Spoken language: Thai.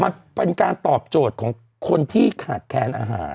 มันเป็นการตอบโจทย์ของคนที่ขาดแคลนอาหาร